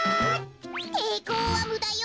ていこうはむだよ。